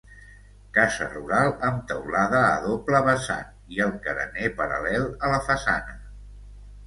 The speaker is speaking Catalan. Casa rural amb teulada a doble vessant i el carener paral·lel a la façana.